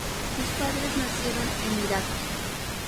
Sus padres nacieron en Irak.